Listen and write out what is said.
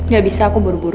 gak bisa aku buru buru